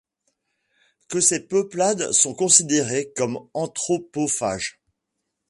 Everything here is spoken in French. Que ces peuplades sont considérées comme anthropophages.